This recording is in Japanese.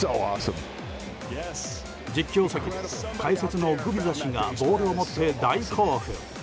実況席も、解説のグビザ氏がボールを持って大興奮。